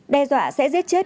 đe dọa sẽ giết chết